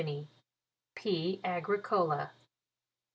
P. AGRICOLA.